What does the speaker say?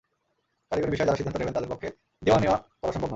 কারিগরি বিষয়ে যাঁরা সিদ্ধান্ত নেবেন, তাঁদের পক্ষে দেওয়া-নেওয়া করা সম্ভব নয়।